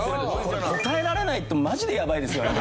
答えられないとマジでやばいですよねこれ。